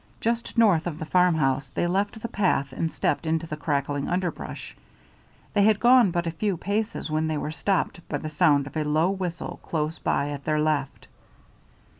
Just north of the farmhouse they left the path and stepped into the crackling underbrush. They had gone but a few paces when they were stopped by the sound of a low whistle close by at their left.